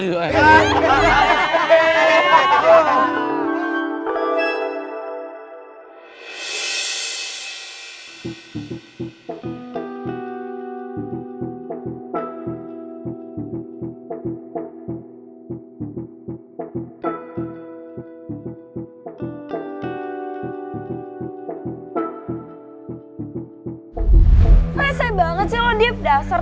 pesek banget sih lo diep dasar